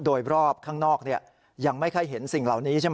โดยรอบข้างนอกยังไม่ค่อยเห็นสิ่งเหล่านี้ใช่ไหม